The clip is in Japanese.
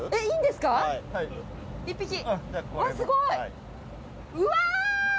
すごい！